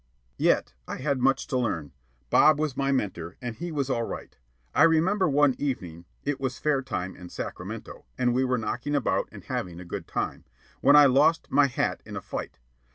Yet I had much to learn. Bob was my mentor, and he was all right. I remember one evening (it was fair time in Sacramento, and we were knocking about and having a good time) when I lost my hat in a fight.